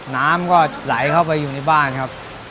น้ำก็ไหลเข้าไปอยู่ในบ้านครับ